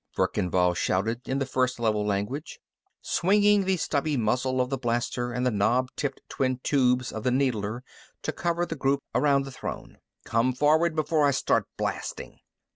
Verkan Vall shouted, in the First Level language, swinging the stubby muzzle of the blaster and the knob tipped twin tubes of the needler to cover the group around the throne, "Come forward, before I start blasting!"